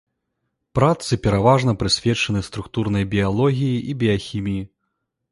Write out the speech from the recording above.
Працы пераважна прысвечаны структурнай біялогіі і біяхіміі.